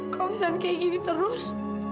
kok bisa kayak gini terus